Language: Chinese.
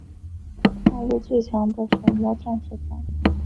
大陆最强的狩魔战士团。